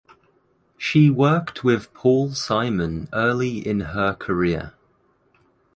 She worked with Paul Simon early in her career.